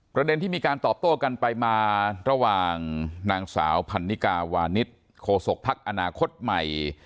ประเด็นที่มีการตอบโต้กันไปมาระหว่างนางสาวพันนิกาวานิสโคศกภักดิ์อนาคตใหม่